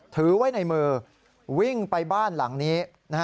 ถือไว้ในมือวิ่งไปบ้านหลังนี้